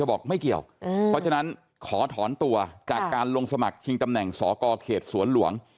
ถ้านี่จะบอกไม่เกี่ยวเพราะฉะนั้นขอถอนตัวการลงสมัครชิงตำแหน่งสกเขียดแสบสวรรค์